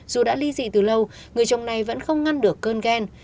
dù đã ly dị từ lâu người chồng này vẫn không ngăn được cơn ghen